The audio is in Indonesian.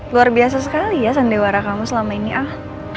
luar biasa sekali ya sandiwara kamu selama ini ah